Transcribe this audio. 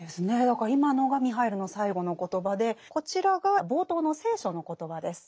だから今のがミハイルの最後の言葉でこちらが冒頭の「聖書」の言葉です。